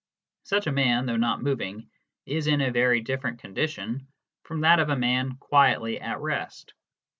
Such a man, though not moving, is in a very different condition from that of a man quietly at rest.